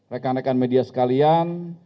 rekan rekan media sekalian